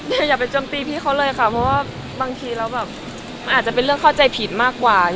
ก็อยากไปจมติดพี่เค้าเลยค่ะเพราะว่าบางทีเราแบบอาจจะเป็นข้อใจผิดมากกว่า